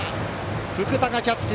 福田がキャッチ。